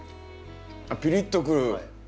あっピリッとくる。